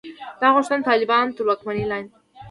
دا غوښتنه د طالبانو تر واکمنۍ لاندې ده.